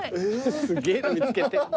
すげぇの見つけて。